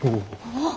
あっ。